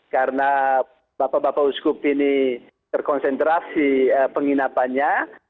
karena bapak bapak uskup ini terkonsentrasi penginapannya